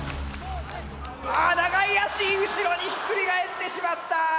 ああ長い脚後ろにひっくり返ってしまった！